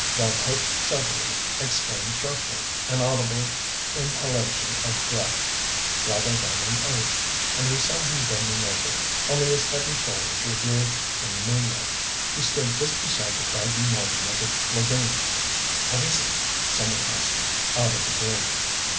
Van Hope suddenly exclaimed sharply an audible inhalation of breath, rather than an oath and we saw him bending over, only his head and shoulders revealed in the moonlight. He stood just beside the craggy margin of the lagoon. "What is it?" some one asked him, out of the gloom.